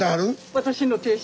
私の亭主。